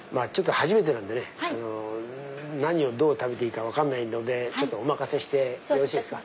初めてで何をどう食べていいか分からないのでお任せしてよろしいですか？